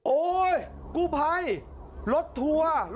โอ๊ยกู้ภัยรถทัวร์